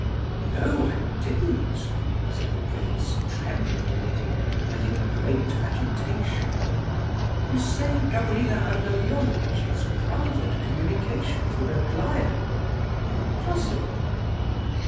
"No, I didn't," said the prince, trembling a little, and in great agitation. "You say Gavrila Ardalionovitch has private communications with Aglaya?—Impossible!"